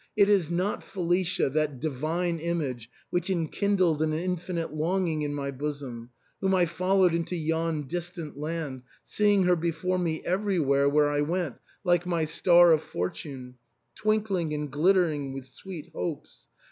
"It is not Felicia, that divine image which enkindled an infinite longing in my bosom, whom I followed into yon distant land, seeing her before me everywhere where I went like my star of fortune, twinkling and glittering with sweet hopes.